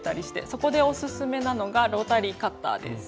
そこでオススメなのがロータリーカッターです。